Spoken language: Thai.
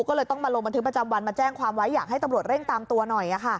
ก็เลยต้องมาลงบันทึกประจำวันมาแจ้งความไว้อยากให้ตำรวจเร่งตามตัวหน่อย